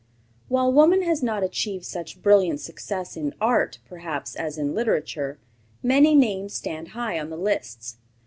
While woman has not achieved such brilliant success in art, perhaps, as in literature, many names stand high on the lists.